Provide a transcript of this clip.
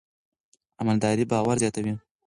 امانتداري باور زیاتوي.